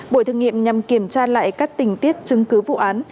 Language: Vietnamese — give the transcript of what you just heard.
buổi thử nghiệm nhằm kiểm tra lại các tình tiết chứng cứ vụ án